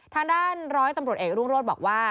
ทางด้านร้อยตำรวจเอกรุ่งโรธบอกว่า